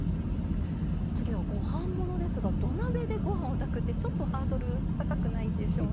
次はご飯ものですが土鍋でご飯を炊くってちょっとハードル高くないでしょうか？